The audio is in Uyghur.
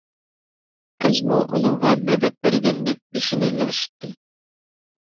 قىزمۇ ئۇنىڭغا مەدەت بەرگەندەك بېشىنى لىڭشىتتى.